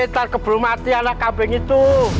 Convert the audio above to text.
sekitar keburu mati anak kambing itu